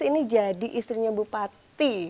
ini jadi istrinya bupati